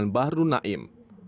yang menyebutnya bahru naim